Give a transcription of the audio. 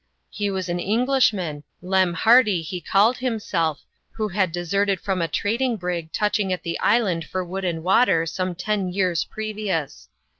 He was an Englishman, Lem Hardy he called him self, who had deserted from a trading brig touching at the island for wood and water some ten years previous.